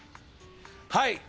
はい！